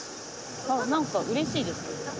あ何かうれしいですね。